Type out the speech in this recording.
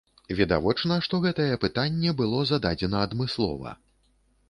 Відавочна, што гэтае пытанне было зададзена адмыслова.